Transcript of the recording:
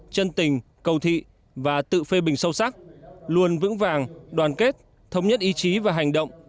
chân tình cầu thị và tự phê bình sâu sắc luôn vững vàng đoàn kết thống nhất ý chí và hành động